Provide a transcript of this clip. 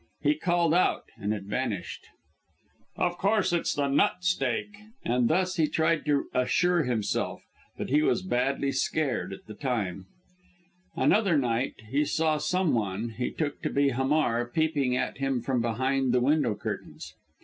He called out, and it vanished! "Of course it's the nut steak!" And thus he tried to assure himself. But he was badly scared all the same. Another night, he saw some one, he took to be Hamar, peeping at him from behind the window curtains.